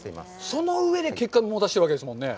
その上で結果も出してるわけですよね。